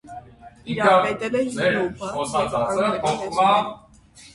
Տիրապետել է յորուբա և անգլերեն լեզուներին։